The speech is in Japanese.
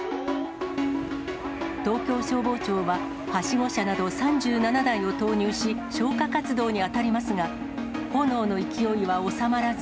東京消防庁は、はしご車など３７台を投入し、消火活動に当たりますが、炎の勢いは収まらず。